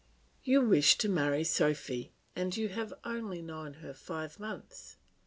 "You wish to marry Sophy and you have only known her five months!